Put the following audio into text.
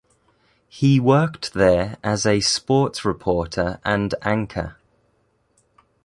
He worked there as a sports reporter and anchor.